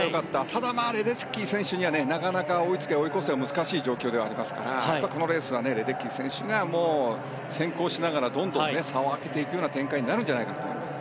ただ、レデッキー選手には追いつけ、追い越せは難しい状況ではありますからこのレースはレデッキー選手が先行しながらどんどん差を開けていく展開になるんじゃないかと思います。